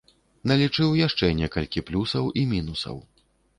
Налічыў яшчэ некалькі плюсаў і мінусаў.